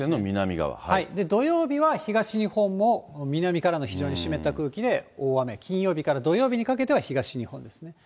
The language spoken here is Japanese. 土曜日は東日本も南からの非常に湿った空気の影響で、大雨、金曜日から土曜日にかけては東日本ですね。